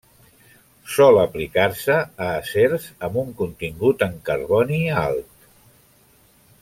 Sol aplicar-se a acers amb un contingut en carboni alt.